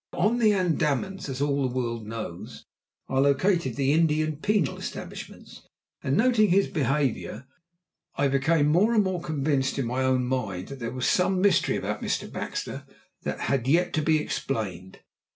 Now, on the Andamans, as all the world knows, are located the Indian penal establishments, and noting his behaviour, I became more and more convinced in my own mind that there was some mystery about Mr. Baxter that had yet to be explained.